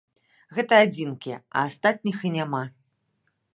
Гэта адзінкі, а астатніх і няма.